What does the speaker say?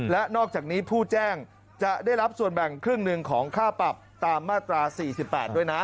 และนอกจากนี้ผู้แจ้งจะได้รับส่วนแบ่งครึ่งหนึ่งของค่าปรับตามมาตรา๔๘ด้วยนะ